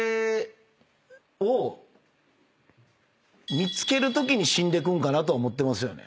見つけるときに死んでくんかなと思ってますよね。